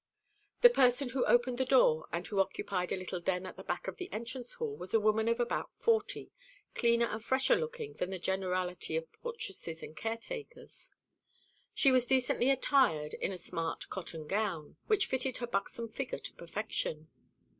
The person who opened the door, and who occupied a little den at the back of the entrance hall, was a woman of about forty, cleaner and fresher looking than the generality of portresses and caretakers. She was decently attired in a smart cotton gown, which fitted her buxom figure to perfection.